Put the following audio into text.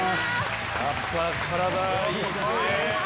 やっぱ体いいっすね。